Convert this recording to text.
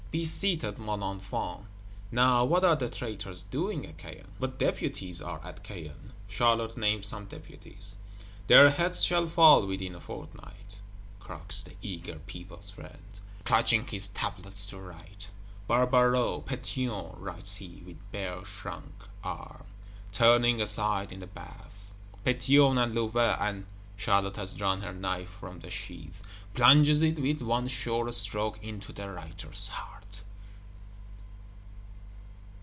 Be seated, mon enfant. Now what are the Traitors doing at Caen? What Deputies are at Caen? Charlotte names some Deputies. "Their heads shall fall within a fortnight," croaks the eager People's friend, clutching his tablets to write: Barbaroux, Pétion, writes he with bare shrunk arm, turning aside in the bath: Pétion, and Louvet, and Charlotte has drawn her knife from the sheath; plunges it with one sure stroke, into the writer's heart.